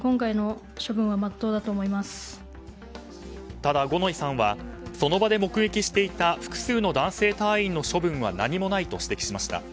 ただ、五ノ井さんはその場で目撃していた複数の男性隊員の処分は何もないと指摘しました。